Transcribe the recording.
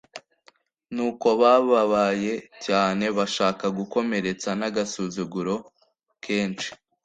Nuko bababaye cyane, bashaka gukomeretsa n'agasuzuguro kenshi